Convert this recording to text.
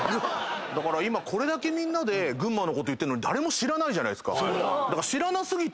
今これだけみんなで群馬のこと言ってんのに誰も知らないじゃないですか。